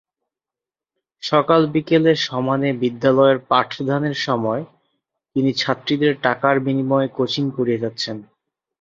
সকাল-বিকেলে সমানে বিদ্যালয়ের পাঠদানের সময় তিনি ছাত্রীদের টাকার বিনিময়ে কোচিং করিয়ে যাচ্ছেন।